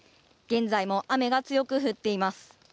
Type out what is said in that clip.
現在も雨が強く降っています。